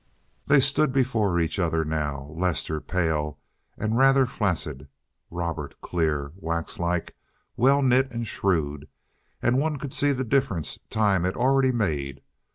They stood before each other now, Lester pale and rather flaccid, Robert clear, wax like, well knit, and shrewd, and one could see the difference time had already made.